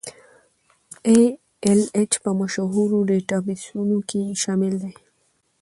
ای ایل ایچ په مشهورو ډیټابیسونو کې شامل دی.